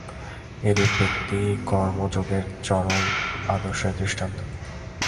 এরূপ ব্যক্তিই কর্মযোগের চরম আদর্শের দৃষ্টান্ত।